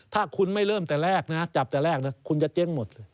ถ้าคุณไม่เริ่มแต่แรกนะจับแต่แรกนะคุณจะเจ๊งหมด